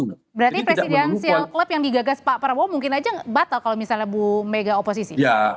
berarti presidensial club yang digagas pak prabowo mungkin aja batal kalau misalnya bu mega oposisi